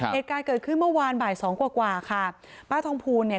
เหตุการณ์เกิดขึ้นเมื่อวานบ่ายสองกว่ากว่าค่ะป้าทองภูลเนี่ย